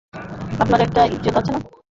আপনার একটা ইজ্জত আছে না?